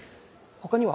他には？